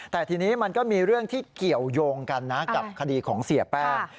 แต่ทีนี้มันก็มีเรื่องที่เกี่ยวยงกันนะกับคดีของเสียแป้ง